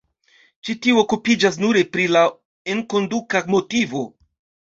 Ĉi tiu okupiĝas nure pri la enkonduka motivo.